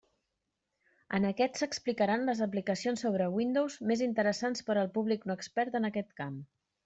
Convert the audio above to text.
En aquest s'explicaran les aplicacions sobre Windows més interessants per al públic no expert en aquest camp.